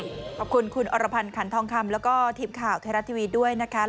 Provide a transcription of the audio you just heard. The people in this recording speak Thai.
ขอบคุณคุณอรพันธ์ขันทองคำแล้วก็ทีมข่าวไทยรัฐทีวีด้วยนะคะ